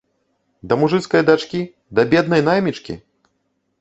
Да мужыцкай дачкі, да беднай наймічкі?